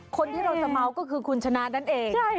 คนนี้เดี๋ยวจะเมาท์ก็คือคุณชนะนั่นเองใช่